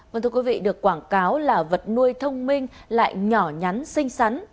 vâng thưa quý vị được quảng cáo là vật nuôi thông minh lại nhỏ nhắn xinh xắn